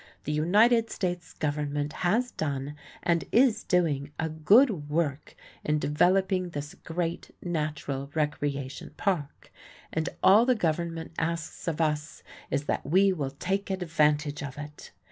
The United States Government has done and is doing a good work in developing this great natural recreation park, and all the Government asks of us is that we will take advantage of it.